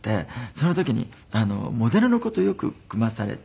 その時にモデルの子とよく組まされて。